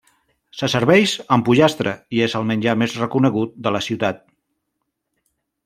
Se serveix amb pollastre, i és el menjar més reconegut de la ciutat.